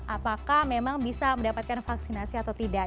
apakah memang bisa mendapatkan vaksinasi atau tidak